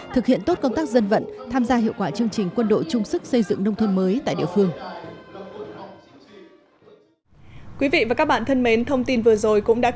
thực hiện tốt công tác dân vận tham gia hiệu quả chương trình quân đội trung sức xây dựng nông thôn mới tại địa phương